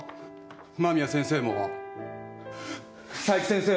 間宮先生も佐伯先生も。